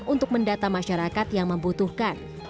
untuk mendata masyarakat yang membutuhkan